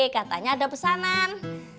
katanya ada pesanan